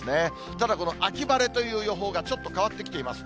ただこの秋晴れという予報がちょっと変わってきています。